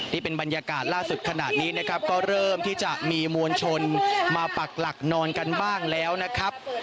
นี่เป็นบรรยากาศล่าสุดขนาดนี้นะครับก็เริ่มที่จะมีมวลชนมาปักหลักนอนกันบ้างแล้วนะครับ